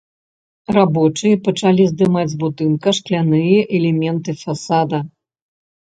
Рабочыя пачалі здымаць з будынка шкляныя элементы фасада.